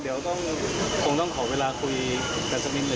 ดีครับ